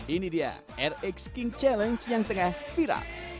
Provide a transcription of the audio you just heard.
ini dia rx king challenge yang tengah viral